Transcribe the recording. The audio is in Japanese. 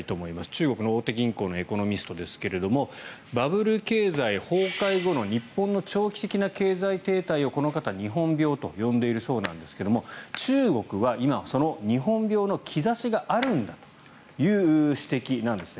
中国の大手銀行のエコノミストですがバブル経済崩壊後の日本の長期的な経済停滞をこの方日本病と呼んでいるそうですが中国は今、その日本病の兆しがあるんだという指摘なんですね。